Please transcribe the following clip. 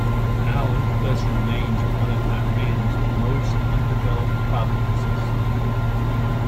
Ilam thus remains one of Iran's more undeveloped provinces.